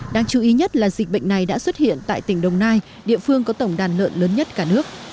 đáng chú ý nhất là dịch bệnh này đã xuất hiện tại tỉnh đồng nai địa phương có tổng đàn lợn lớn nhất cả nước